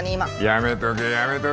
やめとけやめとけ。